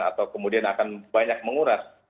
atau kemudian akan banyak menguras